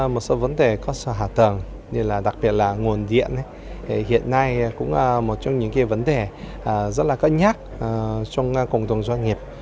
một số vấn đề có sở hạ tầng đặc biệt là nguồn điện hiện nay cũng là một trong những vấn đề rất là cân nhắc trong cộng đồng doanh nghiệp